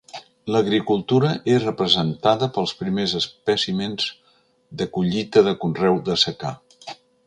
L'agricultura és representada pels primers espècimens de collita de conreu de secà.